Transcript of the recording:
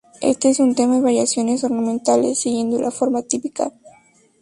Este es un tema y variaciones ornamentales, siguiendo la forma típica.